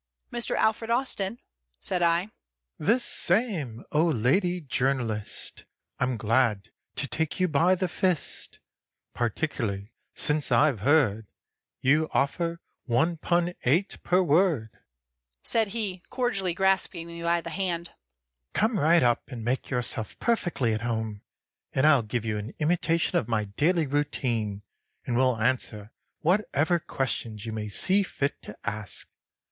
"Mr. Alfred Austin?" said I. "The same, O Lady Journalist, I'm glad to take you by the fist Particularly since I've heard You offer one pun eight per word." said he, cordially grasping me by the hand. "Come right up and make yourself perfectly at home, and I'll give you an imitation of my daily routine, and will answer whatever questions you may see fit to ask.